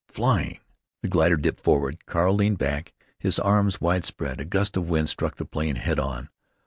Flying! The glider dipped forward. Carl leaned back, his arms wide spread. A gust struck the plane, head on.